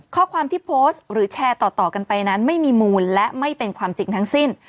ข้อความที่โพสต์หรือแชร์ต่อกันไปนั้นไม่มีมูลและไม่เป็นความจริงทั้งสิ้น